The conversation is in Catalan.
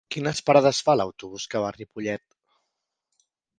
Quines parades fa l'autobús que va a Ripollet?